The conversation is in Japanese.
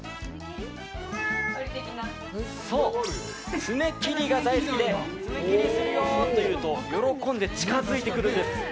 そう、爪切りが大好きで爪切りするよと言うと喜んで近づいてくるんです。